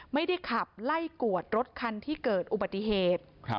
ไม่ได้ขับไล่กวดรถคันที่เกิดอุบัติเหตุ